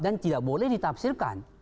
dan tidak boleh ditafsirkan